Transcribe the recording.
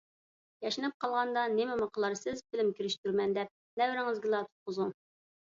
ياشىنىپ قالغاندا نېمىمۇ قىلارسىز فىلىم كىرىشتۈرىمەن دەپ، نەۋرىڭىزگىلا تۇتقۇزۇڭ.